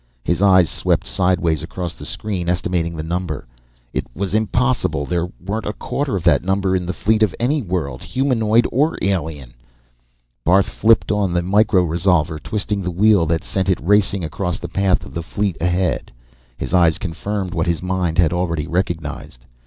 His eyes swept sideways across the screen, estimating the number. It was impossible. There weren't a quarter of that number in the fleet of any world, humanoid or alien! Barth flipped on the microresolver, twisting the wheel that sent it racing across the path of the fleet ahead. His eyes confirmed what his mind had already recognized.